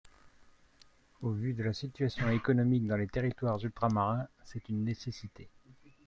Au vu de la situation économique dans les territoires ultramarins, c’est une nécessité.